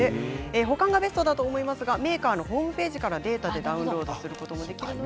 保管がベストだと思いますがメーカーのホームページからデータをダウンロードすることもできます。